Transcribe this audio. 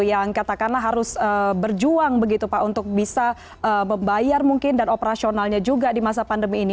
yang katakanlah harus berjuang begitu pak untuk bisa membayar mungkin dan operasionalnya juga di masa pandemi ini